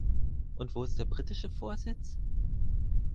Und wo ist der britische Vorsitz?